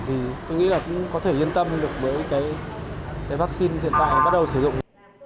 thì tôi nghĩ là cũng có thể yên tâm được với cái vaccine hiện tại bắt đầu sử dụng